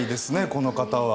この方は。